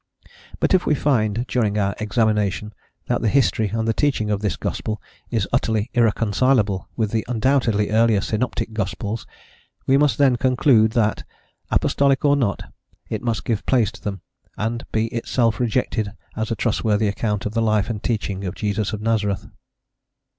But if we find, during our examination, that the history and the teaching of this gospel is utterly irreconcilable with the undoubtedly earlier synoptic gospels, we must then conclude that, apostolic or not, it must give place to them, and be itself rejected as a trustworthy account of the life and teaching of Jesus of Nazareth.